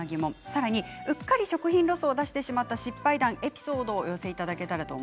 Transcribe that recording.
さらにうっかり食品ロスを出してしまった失敗談やエピソードをお寄せください。